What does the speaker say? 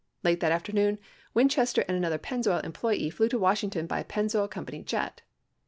Late that afternoon Winchester and another Pennzoil employee flew to Washington by a Pennzoil Co. jet.